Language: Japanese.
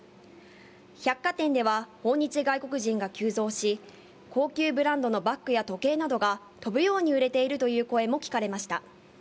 百貨店では訪日外国人が急増し、高級ブランドのバッグや時計などが飛ぶように売れているという声も聞かれました。